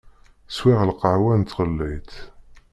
Swiɣ lqahwa n tɣellayt.